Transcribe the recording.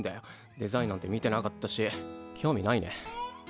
デザインなんて見てなかったし興味ないね。